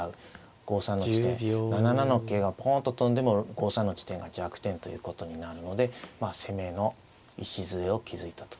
５三の地点７七の桂がぽんと跳んでも５三の地点が弱点ということになるのでまあ攻めの礎を築いたと。